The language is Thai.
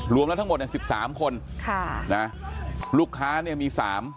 รวมแล้วทั้งหมดเนี่ย๑๓คนลูกค้าเนี่ยมี๓